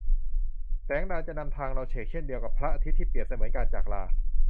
แสงดาวจะนำทางเราเฉกเช่นเดียวกับพระอาทิตย์ที่เปรียบเสมือนการจากลา